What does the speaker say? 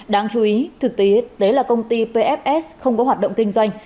đáng chú ý thực tế là công ty pfs không có hoạt động kinh doanh